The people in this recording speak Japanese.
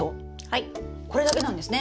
これだけなんですね。